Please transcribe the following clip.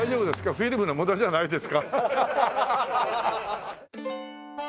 フィルムの無駄じゃないですか？